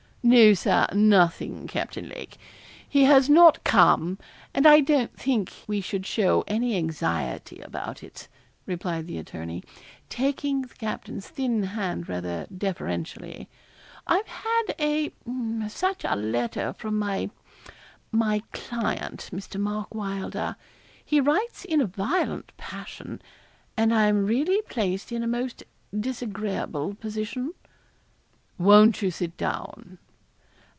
'No, Sir nothing, Captain Lake. He has not come, and I don't think we should show any anxiety about it,' replied the attorney, taking the captain's thin hand rather deferentially. 'I've had a such a letter from my my client, Mr. Mark Wylder. He writes in a violent passion, and I'm really placed in a most disagreeable position.' 'Won't you sit down?'